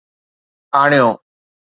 آڻيو